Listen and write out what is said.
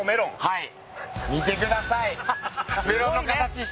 はい。